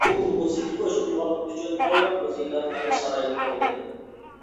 ئۇ مۇزىكىغا ئۆچ بولغانلىقى ئۈچۈن بارلىق مۇزىكانتلارنى سارايدىن قوغلىدى.